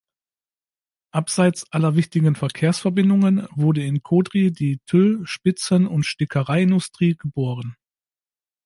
Abseits aller wichtigen Verkehrsverbindungen wurde in Caudry die Tüll-, Spitzen- und Stickereiindustrie geboren.